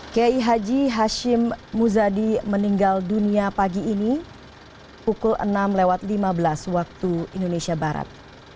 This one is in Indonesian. kiai haji hashim muzadi meninggal dunia pagi ini pukul enam lewat lima belas waktu indonesia barat